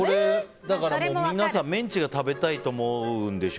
皆さんメンチが食べたいと思うんでしょ。